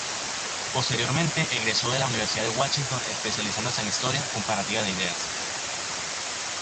Posteriormente, egresó de la Universidad de Washington especializándose en Historia Comparativa de Ideas.